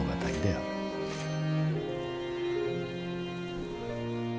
うん。